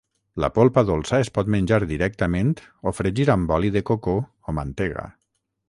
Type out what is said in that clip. La polpa dolça es pot menjar directament o fregir amb oli de coco o mantega.